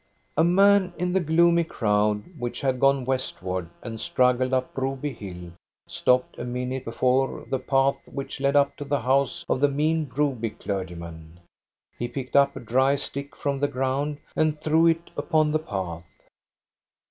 A man in the gloomy crowd which had gone west ward, and struggled up Broby hill, stopped a minute before the path which ♦sd up to the house of the mean Broby clergyman. He picked up a dry stick from the ground and threw it upon the path.